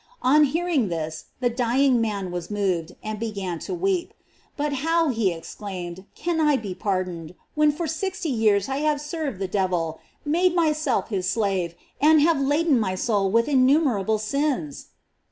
On hearing this the dying man was moved, and began to weep. But how, he exclaimed, can I be pardoned, when for sixty years I have served the devil, made myself his slave, and have laden my soul with innumerable sins?"